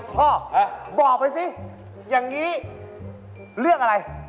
พ่อบอกไปสิอย่างนี้เรื่องอะไร